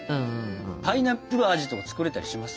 パイナップル味とか作れたりします？